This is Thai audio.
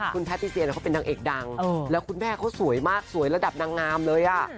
คุณแพทติเซียเขาเป็นนางเอกดังแล้วคุณแม่เขาสวยมากสวยระดับนางงามเลยอ่ะ